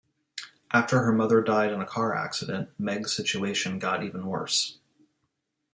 After her mother died in a car accident, Meg's situation got even worse.